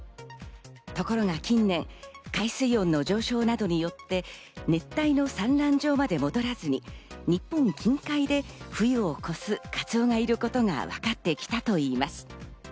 ところが近年、海水温の上昇などによって、熱帯の産卵場まで戻らずに、日本近海で冬を越すカツオがいることがわかってきたといいます。